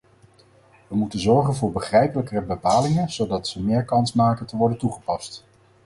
We moeten zorgen voor begrijpelijkere bepalingen, zodat ze meer kans maken te worden toegepast.